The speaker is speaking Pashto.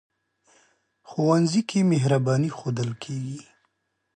ښوونځی کې مهرباني ښودل کېږي